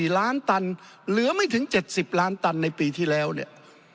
๔ล้านตันเหลือไม่ถึง๗๐ล้านตันในปีที่แล้วเนี่ย